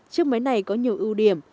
chiếc máy này có nhiều ưu điểm